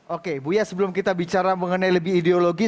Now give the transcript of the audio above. oke buya sebelum kita bicara mengenai lebih ideologi